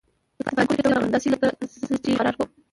د پادري کوټې ته ورغلم، داسې لکه زه چې اقرار کوم.